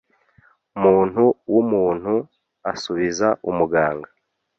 muntu w'umuntu, ”asubiza umuganga